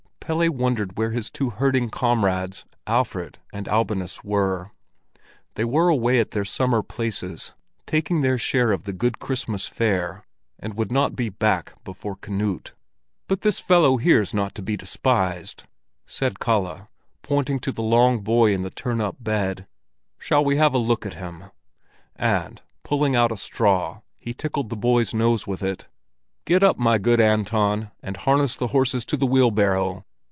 Pelle wondered where his two herding comrades, Alfred and Albinus, were. They were away at their summer places, taking their share of the good Christmas fare, and would not be back before "Knut." "But this fellow here's not to be despised," said Kalle, pointing to the long boy in the turn up bed. "Shall we have a look at him?" And, pulling out a straw, he tickled the boy's nose with it. "Get up, my good Anton, and harness the horses to the wheelbarrow!